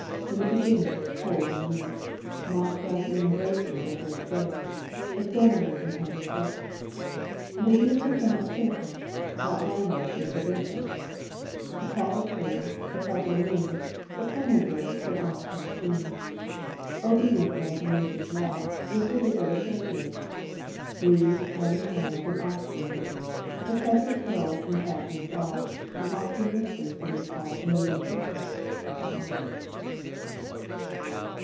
I' In the beginning, cold and mute, Moscow's yoimg Graces at her stare. Examine her from head to foot. They deem her somewhat finical, ^ Outlandish and provincial, Jji trifle pale, a trifle lean. But plainer girls they oft had seen. Obedient then to Nature's law. ^^ Digitized by CjOOQ 1С CANTO viL EUGENE 0N:6gUINE. 213 With her they did associate, Squeeze tiny hands and osculate, Her tresses curled in fashion saw, And oft in whispers would impart A maiden's secrets — of the heart.